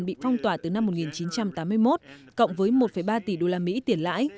bị phong tỏa từ năm một nghìn chín trăm tám mươi một cộng với một ba tỷ usd tiền lãi